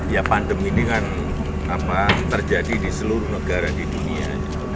ya pandemi ini kan terjadi di seluruh negara di dunia